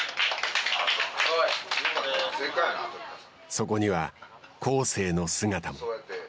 そこには恒成の姿も。